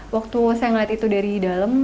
waktu saya melihat itu dari dalam